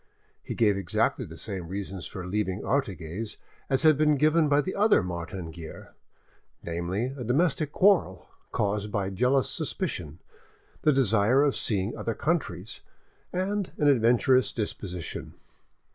He gave exactly the same reasons for leaving Artigues as had been given by the other Martin Guerre, namely, a domestic quarrel caused by jealous suspicion, the desire of seeing other countries, and an adventurous disposition.